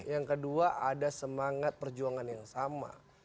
yang kedua ada semangat perjuangan yang sama